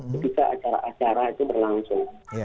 ketika acara acara itu berlangsung